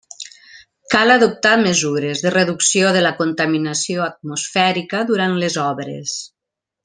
Cal adoptar mesures de reducció de la contaminació atmosfèrica durant les obres.